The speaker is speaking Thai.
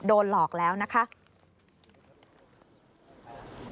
โดนหลอกแล้วนะคะ